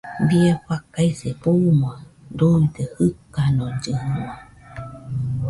Bie faikase buuno duide jɨkanollɨnua.